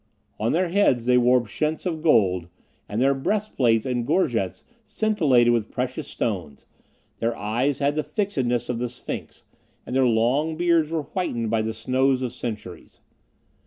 On their heads they wore pschents of gold, and their breastplates and gorgets scintillated with precious stones; their eyes had the fixedness of the sphinx, and their long beards were whitened by the snows of centuries.